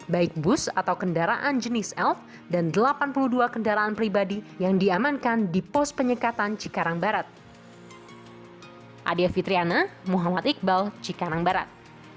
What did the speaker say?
baik bus atau kendaraan jenis elf dan delapan puluh dua kendaraan pribadi yang diamankan di pos penyekatan cikarang barat